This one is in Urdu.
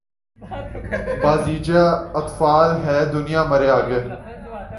بازیچۂ اطفال ہے دنیا مرے آگے